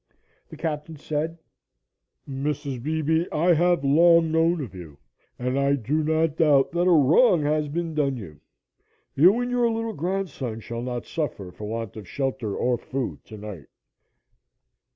The captain said. "Mrs. Beebe, I have long known of you, and I do not doubt that a wrong has been done you. You and your little grandson shall not suffer for want of shelter or food tonight."